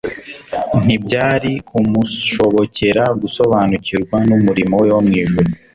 ntibyari kumushobokera gusobanukirwa n’umurimo we wo mw’ijuru.